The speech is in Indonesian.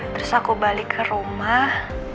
terus aku balik ke rumah